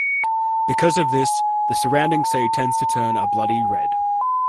Because of this, the surrounding sea tends to turn a bloody red.